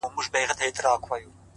هوښیار انسان د احساساتو غلام نه وي